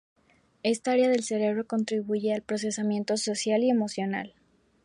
Esta área del cerebro contribuye al procesamiento social y emocional.